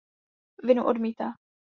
Vinu odmítá.